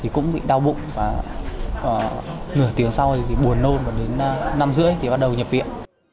cũng bị đau bụng và nửa tiếng sau thì buồn nôn và đến năm rưỡi thì bắt đầu nhập viện